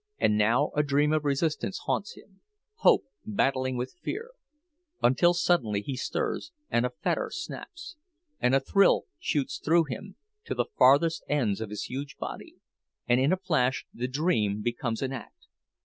And now a dream of resistance haunts him, hope battling with fear; until suddenly he stirs, and a fetter snaps—and a thrill shoots through him, to the farthest ends of his huge body, and in a flash the dream becomes an act!